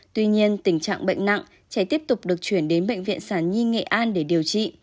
tuy nhiên tình trạng bệnh nặng trẻ tiếp tục được chuyển đến bệnh viện sản nhi nghệ an để điều trị